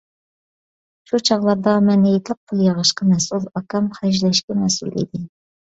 شۇ چاغلاردا، مەن ھېيتلىق پۇل يىغىشقا مەسئۇل ، ئاكام خەجلەشكە مەسئۇل ئىدى.